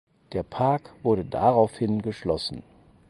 Der Park wurde daraufhin geschlossen.